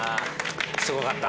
すごかった。